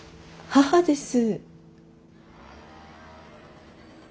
母です。